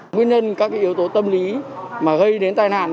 nguyên nhân các yếu tố tâm lý mà gây đến tai nạn